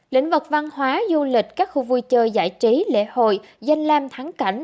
lĩnh vực văn hóa du lịch các khu vui chơi giải trí lễ hội danh lam thắng cảnh